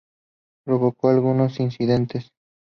Provocó algunos incidentes.